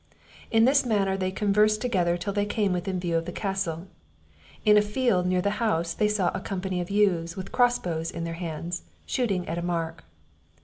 In this manner they conversed together till they came within view of the castle. In a field near the house they saw a company of youths, with crossbows in their hands, shooting at a mark.